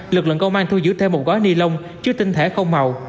lực lượng công an thu giữ thêm một gói ni lông chứa tinh thể không màu